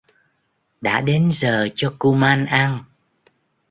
Đã Đến giờ cho kuman ăn